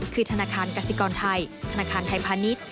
คือธนาคารกสิกรไทยธนาคารไทยพาณิชย์